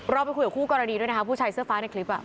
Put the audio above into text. ไปคุยกับคู่กรณีด้วยนะคะผู้ชายเสื้อฟ้าในคลิป